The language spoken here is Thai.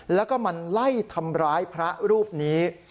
แล้วก็มาไล่ทำร้ายพระรูปนี้